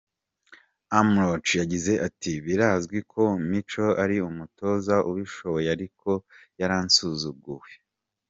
Amrouche yagize ati; “Birazwi ko Micho ari umutoza ubishoboye ariko yaransuzuguwe.